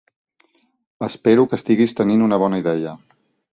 Espero que estiguis tenint una bona idea.